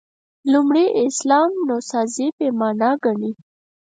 لومړي اسلام نوسازي «بې معنا» ګڼي.